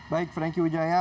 baik thank you ujaya